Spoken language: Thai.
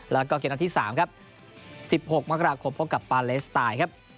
แล้วก็เกมที่๓๑๖มกราคมพบกับปาเลสไต